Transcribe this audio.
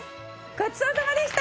ごちそうさまでした！